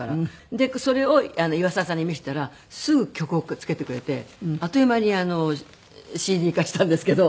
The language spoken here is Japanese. でそれを岩沢さんに見せたらすぐ曲をくっつけてくれてあっという間にＣＤ化したんですけど。